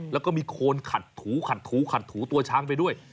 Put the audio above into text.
แล้วก็มีโคนขัดถูตัวช้างไปด้วย